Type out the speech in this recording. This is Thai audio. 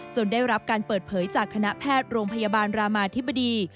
ได้รับการเปิดเผยจากคณะแพทย์โรงพยาบาลรามาธิบดี